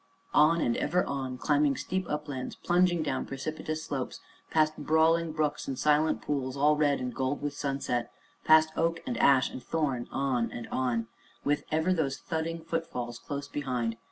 On, and ever on, climbing steep uplands, plunging down precipitous slopes, past brawling brooks and silent pools all red and gold with sunset, past oak and ash and thorn on and on, with ever those thudding footfalls close behind.